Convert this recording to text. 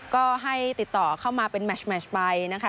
ก็ให้ติดต่อเข้ามาเป็นแมชแมชไปนะคะ